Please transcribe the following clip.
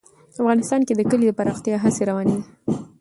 افغانستان کې د کلي د پرمختګ هڅې روانې دي.